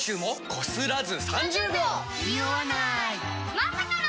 まさかの。